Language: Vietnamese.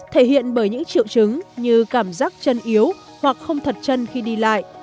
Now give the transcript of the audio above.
thể hiện bởi những triệu chứng như cảm giác chân yếu hoặc không thật chân khi đi lại